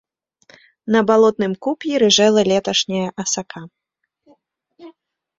На балотным куп'і рыжэла леташняя асака.